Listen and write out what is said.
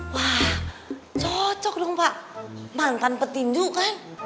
wah cocok dong pak mantan petinju kan